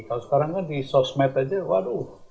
kalau sekarang kan di sosmed aja waduh